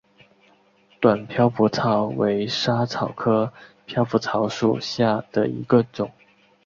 矮飘拂草为莎草科飘拂草属下的一个种。